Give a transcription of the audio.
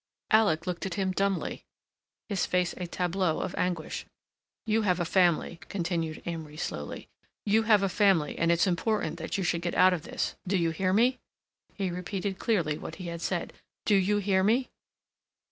Alec looked at him dumbly—his face a tableau of anguish. "You have a family," continued Amory slowly. "You have a family and it's important that you should get out of this. Do you hear me?" He repeated clearly what he had said. "Do you hear me?"